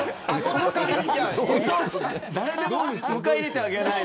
誰でも迎え入れてあげない。